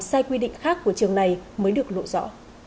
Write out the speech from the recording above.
sai quy định khác của trường này mới được lộ rõ